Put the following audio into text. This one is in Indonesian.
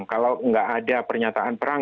kalau nggak ada pernyataan perang